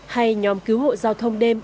hay nhóm cứu hộ giao thông đêm